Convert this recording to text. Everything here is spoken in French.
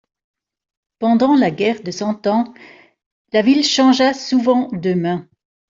Pendant la guerre de Cent Ans, la ville changea souvent de mains.